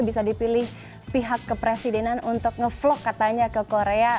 bisa dipilih pihak kepresidenan untuk ngevlog katanya ke korea